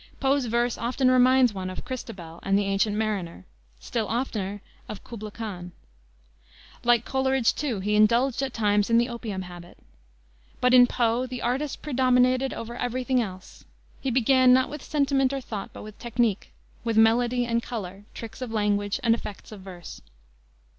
Poe's verse often reminds one of Christabel and the Ancient Mariner, still oftener of Kubla Khan. Like Coleridge, too, he indulged at times in the opium habit. But in Poe the artist predominated over every thing else. He began not with sentiment or thought, but with technique, with melody and color, tricks of language, and effects of verse.